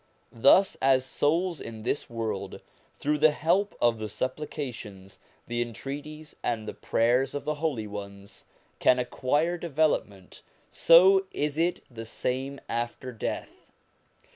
Thus as souls in this world, through the help of the supplica tions, the entreaties, and the prayers of the holy ones, can acquire development, so is it the same after death.